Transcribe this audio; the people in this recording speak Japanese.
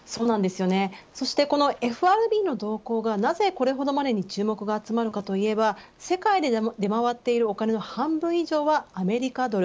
ＦＲＢの動向がなぜこれほどまでに注目が集まるかというと世界で出回っているお金の半分以上はアメリカドル。